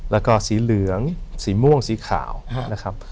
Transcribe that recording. แล้วก็สีเหลืองสีม่วงสีขาวนะครับ